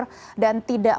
apakah ini bisa diperlukan